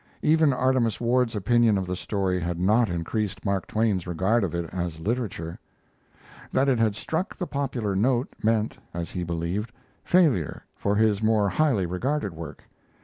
Even Artemus Ward's opinion of the story had not increased Mark Twain's regard for it as literature. That it had struck the popular note meant, as he believed, failure for his more highly regarded work.